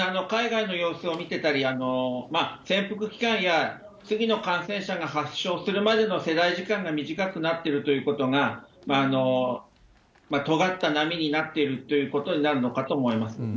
海外の様子を見てたり、潜伏期間や、次の感染者が発症するまでの世代自体が短くなっているということが、とがった波になっているということになるのかと思います。